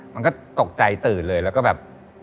มันก็ตกใจตื่นเลยแล้วก็แบบ